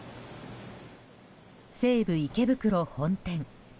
西武池袋本店